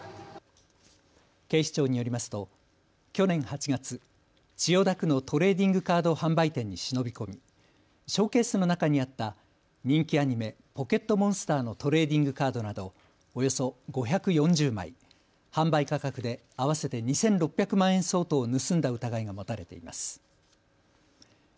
警視庁によりますと去年８月、千代田区のトレーディングカード販売店に忍び込みショーケースの中にあった人気アニメ、ポケットモンスターのトレーディングカードなどおよそ５４０枚、販売価格で合わせて２６００万円相当を盗んだ疑いが持たれています。